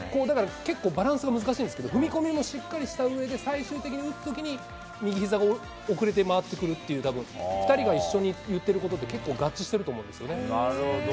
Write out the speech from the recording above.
結構バランスが難しいんですけど、踏み込みもしっかりしたうえで、最終的に打つときに、右ひざが遅れて回ってくるっていう、２人が言ってることと結構合致してると思うんですよね。